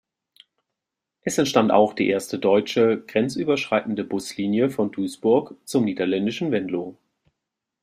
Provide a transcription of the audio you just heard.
Es entstand auch die erste deutsche grenzüberschreitende Buslinie von Duisburg zum niederländischen Venlo.